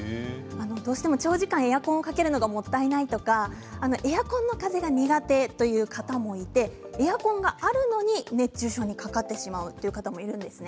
どうしても長時間エアコンをかけるのがもったいないとかエアコンの風が苦手という方もいてエアコンがあるのに熱中症にかかってしまうという方がいるんです。